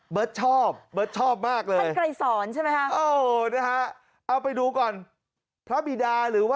เบิร์ดชอบเบิร์ดชอบมากเลย